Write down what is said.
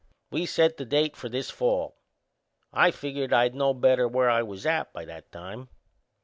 We set the date for this fall I figured I'd know better where I was at by that time.